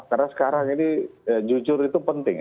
karena sekarang ini jujur itu penting